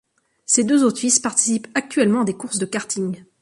Ses deux autres fils participent actuellement à des courses de karting.